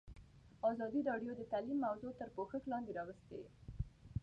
ازادي راډیو د تعلیم موضوع تر پوښښ لاندې راوستې.